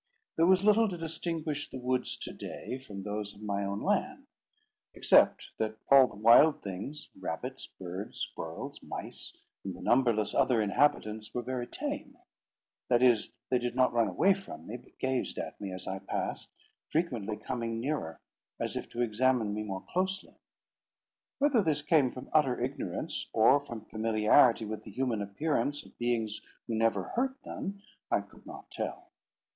There was little to distinguish the woods to day from those of my own land; except that all the wild things, rabbits, birds, squirrels, mice, and the numberless other inhabitants, were very tame; that is, they did not run away from me, but gazed at me as I passed, frequently coming nearer, as if to examine me more closely. Whether this came from utter ignorance, or from familiarity with the human appearance of beings who never hurt them, I could not tell.